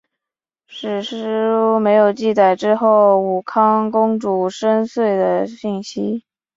史书没有记载之后武康公主生卒的信息。